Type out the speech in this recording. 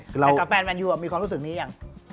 แต่กับแฟนแมนยูมีความรู้สึกนี้ยัง